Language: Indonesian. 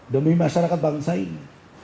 demi masyarakat bangsa ini